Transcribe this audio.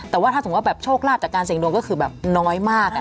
แต่ว่าถ้าสมมุติว่าแบบโชคลาภจากการเสี่ยงดวงก็คือแบบน้อยมาก